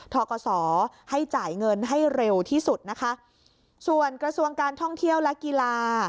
ทกศให้จ่ายเงินให้เร็วที่สุดนะคะส่วนกระทรวงการท่องเที่ยวและกีฬา